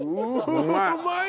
うまい。